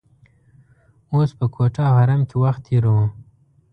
اوس په کوټه او حرم کې وخت تیروو.